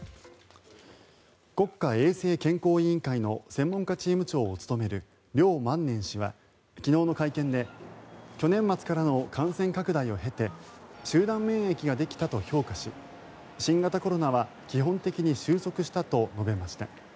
国家衛生健康委員会の専門家チーム長を務めるリョウ・マンネン氏は昨日の会見で去年末からの感染拡大を経て集団免疫ができたと評価し新型コロナは基本的に収束したと述べました。